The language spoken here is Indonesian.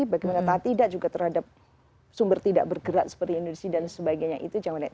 bagaimana tidak juga terhadap sumber tidak bergerak seperti industri dan sebagainya itu jangan lihat